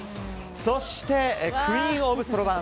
そして、クイーンオブそろばん